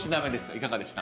いかがでした？